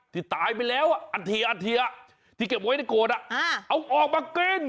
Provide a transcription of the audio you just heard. ที่ตายไปแล้วอันทีอันเทียที่เก็บไว้ในโกรธเอาออกมากิน